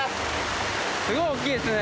すごい大きいですね。